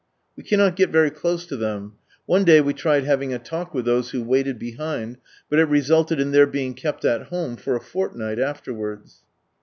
We cannot get very close to them ; one day we tried having a talk with those who wailed behind, but it resulted in their being kept at home for a fortnight afterwards.